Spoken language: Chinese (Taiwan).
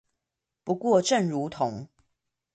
不過正如同